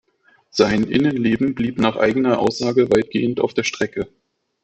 Sein Innenleben blieb nach eigener Aussage weitgehend auf der Strecke.